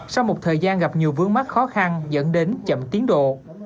sau một thời gian gặp nhiều vướng mắt khó khăn dẫn đến chậm tiến độ